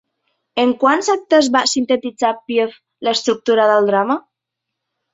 En quants actes va sintetitzar Piave l'estructura del drama?